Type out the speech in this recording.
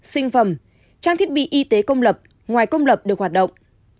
sinh phẩm trang thiết bị y tế công lập ngoài công lập được hoạt động